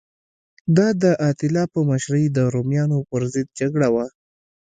دا د اتیلا په مشرۍ د رومیانو پرضد جګړه وه